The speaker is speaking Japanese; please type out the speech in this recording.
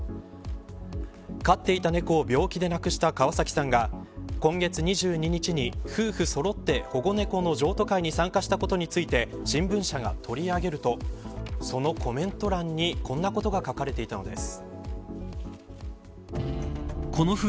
飼っていた猫を病気で亡くした川崎さんが今月２２日に夫婦そろって保護猫の譲渡会に参加したことについて新聞社が取り上げるとそのコメント欄に、こんなことが書かれていたのです。